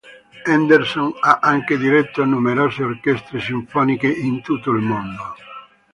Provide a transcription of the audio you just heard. Henderson ha anche diretto numerose orchestre sinfoniche in tutto il mondo.